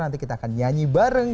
nanti kita akan nyanyi bareng